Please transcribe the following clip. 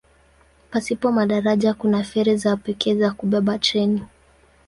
Pasipo madaraja kuna feri za pekee za kubeba treni.